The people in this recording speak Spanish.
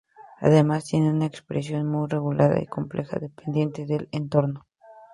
Además, tienen una expresión muy regulada y compleja, dependiente del entorno.